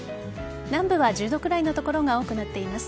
南部は１０度くらいの所が多くなっています。